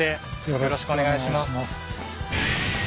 よろしくお願いします。